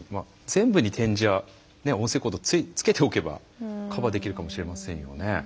全部に点字や音声コードをつけておけばカバーできるかもしれませんよね。